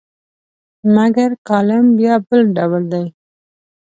مګر کالم بیا بل ډول دی.